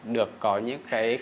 được có những cái